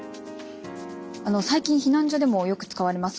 最近避難所でもよく使われます